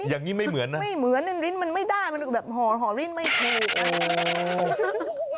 อย่างนี้ไม่เหมือนนะไม่เหมือนริ้นมันไม่ได้หอริ้นไม่ถูกโอ้โฮ